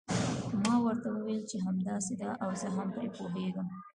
ما ورته وویل چې همداسې ده او زه هم پرې پوهیږم.